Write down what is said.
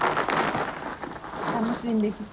楽しんできて。